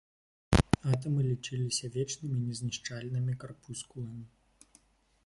Атамы лічыліся вечнымі і незнішчальнымі карпускуламі.